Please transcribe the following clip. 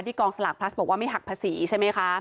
กองสลากพลัสบอกว่าไม่หักภาษีใช่ไหมคะ